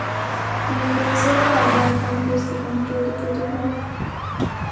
En la cabecera habrá campos de control de protocolo.